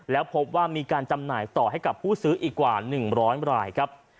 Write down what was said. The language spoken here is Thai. แล้วพบว่ามีการจำหน่ายต่อให้กับผู้ซื้ออีกกว่า๑๐๐รายครับ